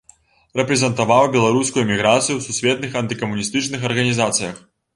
Рэпрэзентаваў беларускую эміграцыю ў сусветных антыкамуністычных арганізацыях.